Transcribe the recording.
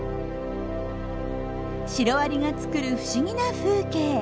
シロアリが作る不思議な風景。